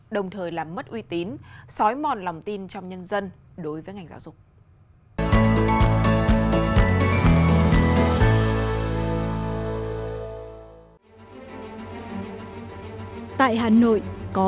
đồng thời làm mất uy tín xói mòn lòng tin trong nhân dân đối với ngành giáo dục